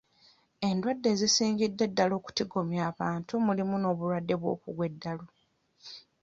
Endwadde ezisingidde ddala okutigomya abantu mulimu n'obulwadde bw'okugwa eddalu.